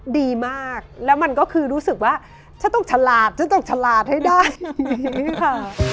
ดีมากแล้วมันก็คือรู้สึกว่าฉันต้องฉลาดฉันต้องฉลาดให้ได้อย่างนี้ค่ะ